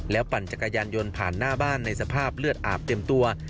ปั่นจักรยานยนต์ผ่านหน้าบ้านในสภาพเลือดอาบเต็มตัว